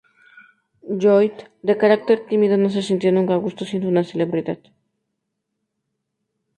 Lloyd, de carácter tímido, no se sintió nunca a gusto siendo una celebridad.